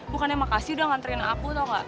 bukannya makasih udah nganterin aku tau gak